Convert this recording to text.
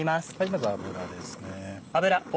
まず油ですね。